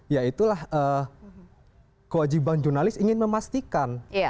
ya itulah kewajiban jurnalis ingin memastikan